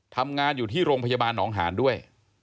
ทำงานอยู่ที่โรงพยาบาลหนองหานด้วย